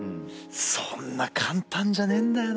そんな簡単じゃねえんだよな